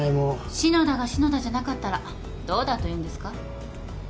篠田が篠田じゃなかったらどうだというんですか？